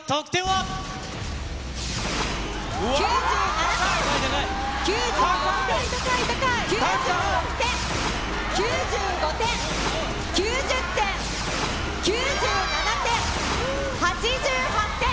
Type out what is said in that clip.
９７点、９６点、９６点、９５点、９０点、９７点、８８点。